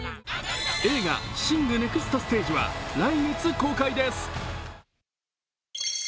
映画、「ＳＩＮＧ／シング：ネクストステージ」は来月公開です。